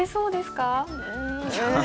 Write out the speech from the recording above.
うん。